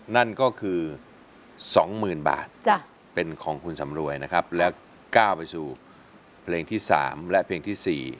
นั่นก็คือ๒๐๐๐บาทเป็นของคุณสำรวยนะครับแล้วก้าวไปสู่เพลงที่๓และเพลงที่๔